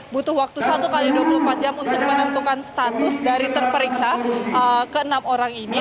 butuh waktu satu x dua puluh empat jam untuk menentukan status dari terperiksa ke enam orang ini